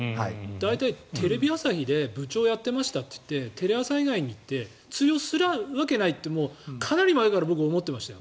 大体テレビ朝日で部長やってましたって言ってテレ朝以外に行って通用するわけないってかなり前から僕、思ってましたよ。